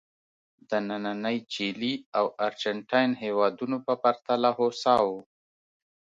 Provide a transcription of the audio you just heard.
د نننۍ چیلي او ارجنټاین هېوادونو په پرتله هوسا وو.